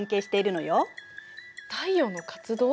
太陽の活動？